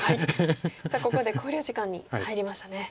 ここで考慮時間に入りましたね。